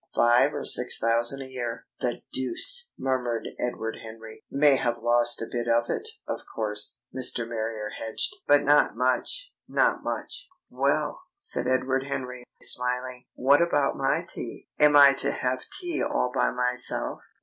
"Five or six thousand a year." "The deuce!" murmured Edward Henry. "May have lost a bit of it, of course," Mr. Marrier hedged. "But not much, not much!" "Well," said Edward Henry, smiling. "What about my tea? Am I to have tea all by myself?"